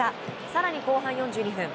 更に後半４２分。